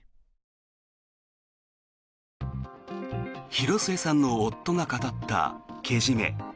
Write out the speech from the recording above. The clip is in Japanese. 広末さんの夫が語ったけじめ。